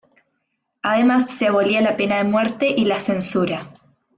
Además se abolía la pena de muerte y la censura.